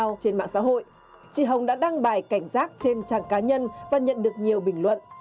trong những bình luận trên mạng xã hội chị hồng đã đăng bài cảnh giác trên trang cá nhân và nhận được nhiều bình luận